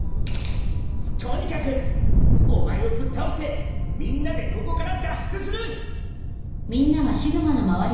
とにかくお前をぶっ倒してみんなでここから脱出する！